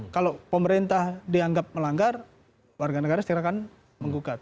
kalau pemerintah dianggap melanggar warga negara sekirakan menggugat